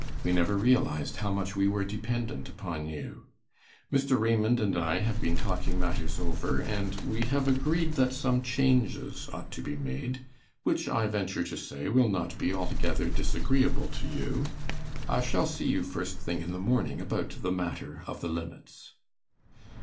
We never realized how much we were dependent upon you. Mr. Raymond and I have been talking matters over, and we have agreed that some changes ought to be made, which I venture to say will not be altogether disagreeable to you. I shall see you first thing in the morning about the matter of the limits.